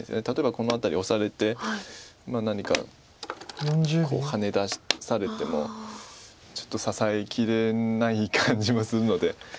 例えばこの辺りオサれて何かこうハネ出されてもちょっと支えきれない感じもするので。